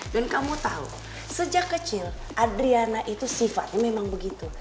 dan kamu tahu sejak kecil adriana itu sifatnya memang begitu